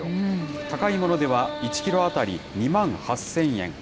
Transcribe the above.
高いものでは１キロ当たり２万８０００円。